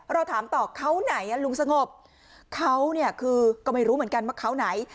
เราถามต่อเขาไหนลุงสงบเขาเนี่ยคือก็ไม่รู้เหมือนกันว่าเขาไหน